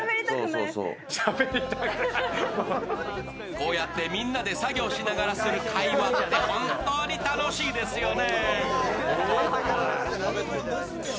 こうやってみんなで作業しながらする会話って本当に楽しいですよね。